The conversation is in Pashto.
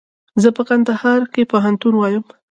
زه په کندهار کښي پوهنتون وایم.